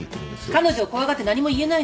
彼女を怖がって何も言えないのよ。